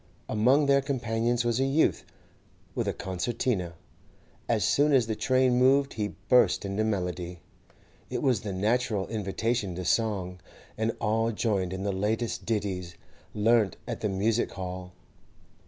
Among their companions was a youth with a concertina; as soon as the train moved he burst into melody. It was the natural invitation to song, and all joined in the latest ditties learnt at the music hall.